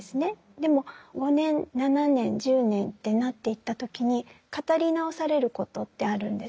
でも５年７年１０年ってなっていった時に語り直されることってあるんです。